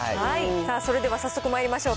さあ、それでは早速まいりましょうか。